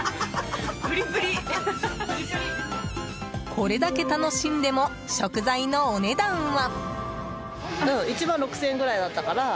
これだけ楽しんでも食材のお値段は。